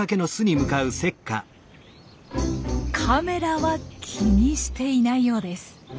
カメラは気にしていないようです。